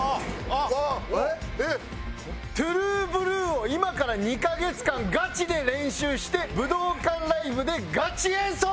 『ＴＲＵＥＢＬＵＥ』を今から２カ月間ガチで練習して武道館ライブでガチ演奏！